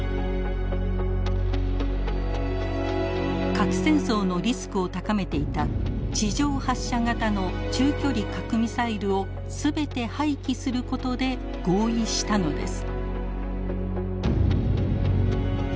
核戦争のリスクを高めていた地上発射型の中距離核ミサイルを全て廃棄することで合意したのです。